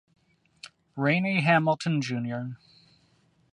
Rainy Hamilton Jr.